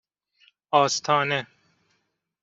آستانه